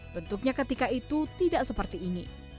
bentuknya ketika itu tidak seperti ini